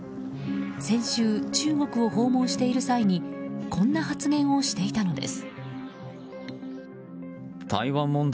先週、中国を訪問している際にこんな発言をしていたのです。